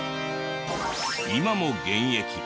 今も現役。